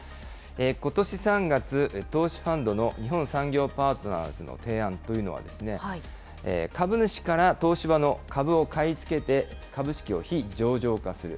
ことし３月、投資ファンドの日本産業パートナーズの提案というのは、株主から東芝の株を買い付けて、株式を非上場化する。